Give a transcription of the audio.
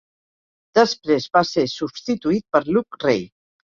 Després va ser substituït per Luke Ray.